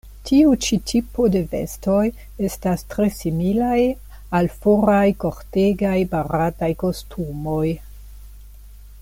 Tiu ĉi tipo de vestoj estas tre similaj al foraj kortegaj barataj kostumoj.